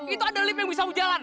itu ada lim yang bisa ujalan